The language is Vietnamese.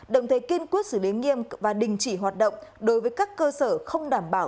đồng thời kiên quyết xử lý nghiêm và đình chỉ hoạt động đối với các cơ sở không đảm bảo